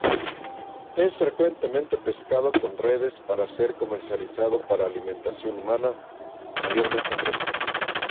Es frecuentemente pescado con redes para ser comercializado para alimentación humana, mayormente fresco.